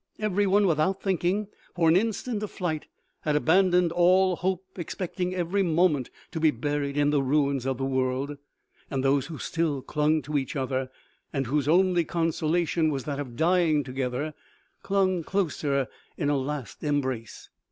Everyone, without thinking for an instant of flight, had abandoned all hope, expecting every moment to be buried in the ruins of the world, and those who still clung to each other, and whose only consolation was A FIERY RAIN FELL FROM EVERY QUARTER OF THE SKY." OMEGA. 777 that of dying together, clung closer, in a last embrace.